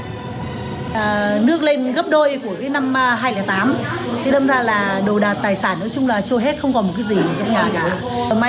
nước lên gấp đôi của năm hai nghìn tám đồng ra là đồ đạp tài sản trôi hết không còn một cái gì trong nhà cả